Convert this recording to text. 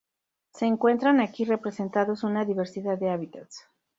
Se encuentran aquí representados una diversidad de hábitats.